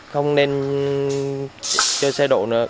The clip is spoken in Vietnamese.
không nên chơi xe đổ nữa